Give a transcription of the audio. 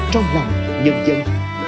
trong lòng nhân dân